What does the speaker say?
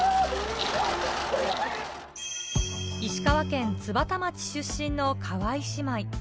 石川県津幡町出身の川井姉妹。